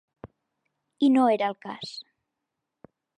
I no era el cas.